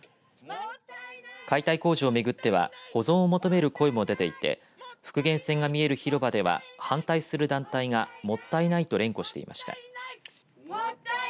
解体工事をめぐっては保存を求める声も出ていて復元船が見える広場では反対する団体が、もったいないと連呼していました。